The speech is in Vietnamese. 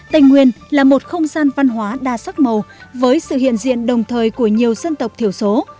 tây nguyên là một không gian văn hóa đa sắc màu với sự hiện diện đồng thời của nhiều dân tộc thiểu số